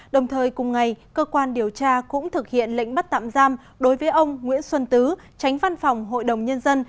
đồng thời cùng ngày cơ quan điều tra cũng thực hiện lệnh bắt tạm giam đối với ông nguyễn xuân tứ tránh văn phòng hội đồng nhân dân